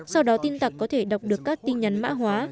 sau đó tin tặc có thể đọc được các tin nhắn mã hóa